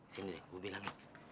sini deh gue bilang